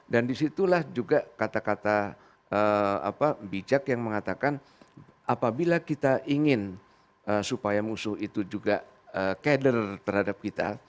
dan disitulah juga kata kata bijak yang mengatakan apabila kita ingin supaya musuh itu juga keder terhadap kita